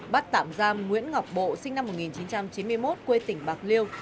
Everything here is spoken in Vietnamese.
bắt tạm giam nguyễn ngọc bộ sinh năm một nghìn chín trăm chín mươi một quê tỉnh bạc liêu